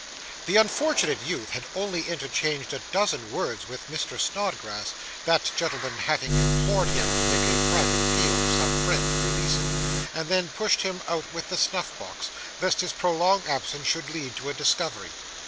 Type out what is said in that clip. The unfortunate youth had only interchanged a dozen words with Mr. Snodgrass, that gentleman having implored him to make a private appeal to some friend to release him, and then pushed him out with the snuff box, lest his prolonged absence should lead to a discovery.